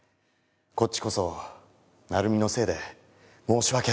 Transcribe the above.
こっちこそ成美のせいで申し訳ありません。